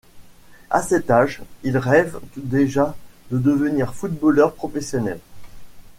À cet âge, il rêve déjà de devenir footballeur professionnel.